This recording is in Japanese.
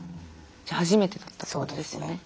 じゃあ初めてだったってことですよね